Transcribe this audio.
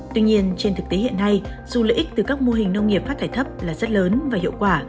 tuy nhiên trên thực tế hiện nay dù lợi ích từ các mô hình nông nghiệp phát thải thấp là rất lớn và hiệu quả